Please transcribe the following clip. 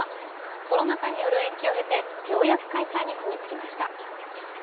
コロナ禍による延期を経て、ようやく開催にこぎ着けました。